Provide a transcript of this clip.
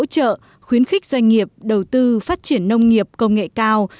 hỗ trợ khuyến khích doanh nghiệp đầu tư phát triển nông nghiệp công nghệ cao